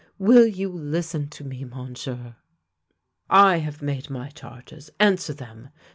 Will you listen to me. Monsieur? "" I have made my charges: answer them.